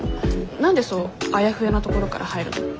何でそうあやふやなところから入るの？